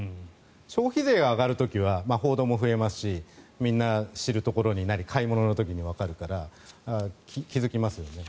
消費税が上がる時は報道も増えますしみんな知ることになり買い物でわかるから気付きますよね。